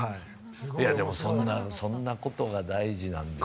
いや、でもそんなことが大事なんですよ。